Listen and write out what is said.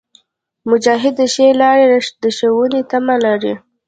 مجاهد د ښې لارې د ښوونې تمه لري.